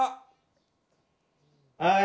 はい。